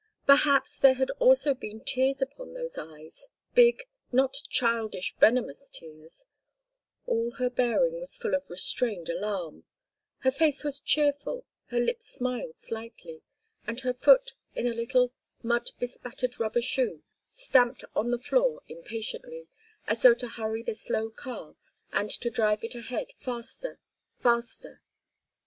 Perhaps there had also been tears upon those eyes—big, not childish, venomous tears; all her bearing was full of restrained alarm; her face was cheerful, her lips smiled slightly, and her foot, in a little, mud bespattered rubber shoe, stamped on the floor impatiently, as though to hurry the slow car and to drive it ahead faster, faster.